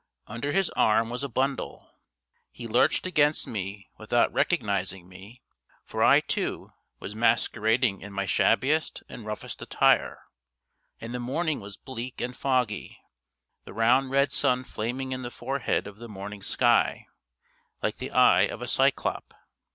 Under his arm was a bundle. He lurched against me without recognising me, for I, too, was masquerading in my shabbiest and roughest attire, and the morning was bleak and foggy, the round red sun flaming in the forehead of the morning sky like the eye of a cyclop.